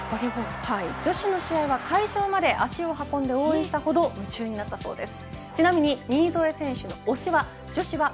女子の試合は、会場まで足を運んで応援したほど夢中になったそうです。